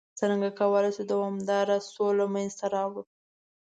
څرنګه کولای شو دوامداره سوله منځته راوړ؟